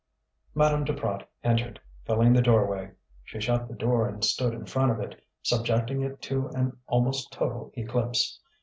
Madame Duprat entered, filling the doorway. She shut the door and stood in front of it, subjecting it to an almost total eclipse.